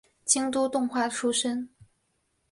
京都动画出身。